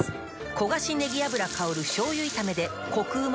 焦がしねぎ油香る醤油炒めでコクうま